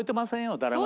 誰も。